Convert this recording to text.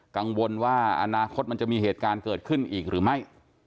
กังวลว่าอนาคตมันจะมีเหตุการณ์เกิดขึ้นอีกหรือไม่